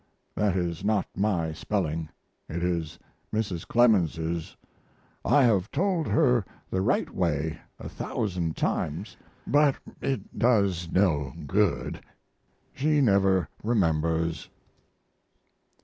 (That is not my spelling. It is Mrs. Clemens's, I have told her the right way a thousand times, but it does no good, she never remembers.)